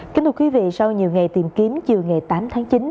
kính thưa quý vị sau nhiều ngày tìm kiếm chiều ngày tám tháng chín